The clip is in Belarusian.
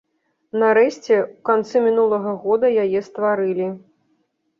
Нарэшце, у канцы мінулага года яе стварылі.